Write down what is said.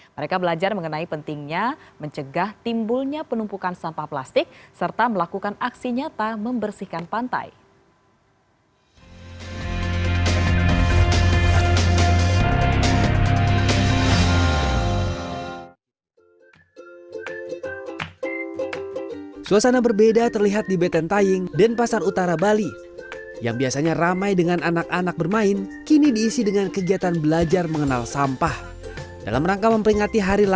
mereka belajar mengenai pentingnya mencegah timbulnya penumpukan sampah plastik serta melakukan aksi nyata membersihkan pantai